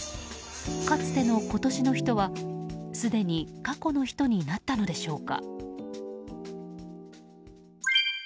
かつての今年の人はすでに過去の人になったのでしょうか。